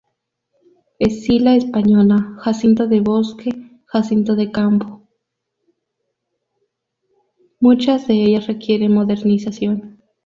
Muchas de ellas requieren modernización.